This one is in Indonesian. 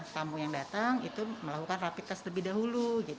tamu yang datang itu melakukan rapid test lebih dahulu